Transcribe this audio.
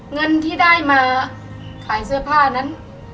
เงินที่ได้มาขายเสื้อผ้านั้น